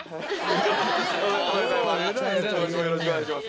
今年もよろしくお願いします。